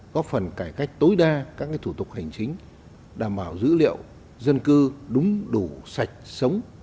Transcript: giải cách tối đa các thủ tục hành chính đảm bảo dữ liệu dân cư đúng đủ sạch sống